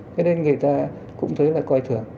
thế nên người ta cũng thấy là coi thường